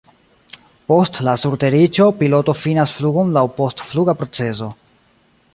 Post la surteriĝo, piloto finas flugon laŭ post-fluga procezo.